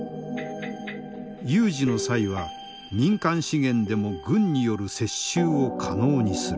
有事の際は民間資源でも軍による接収を可能にする。